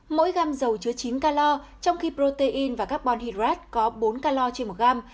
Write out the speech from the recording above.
mỗi gam dầu chứa chín calor trong khi protein và carbon hydrate có bốn calor trên một gam